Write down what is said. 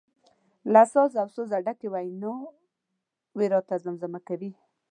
له ساز او سوزه ډکې ویناوي راته زمزمه کوي.